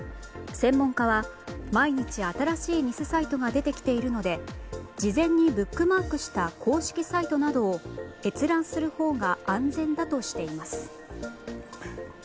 専門家は毎日新しい偽サイトが出てきているので事前にブックマークした公式サイトなどを閲覧するほうが安全だとしています。